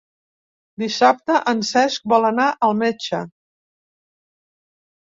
Dissabte en Cesc vol anar al metge.